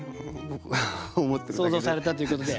想像されたということで。